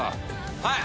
はい。